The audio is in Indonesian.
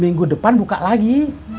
minggu depan buka lagi